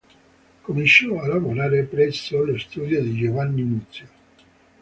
Cominciò a lavorare presso lo studio di Giovanni Muzio.